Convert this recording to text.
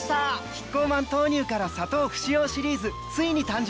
キッコーマン豆乳から砂糖不使用シリーズついに誕生！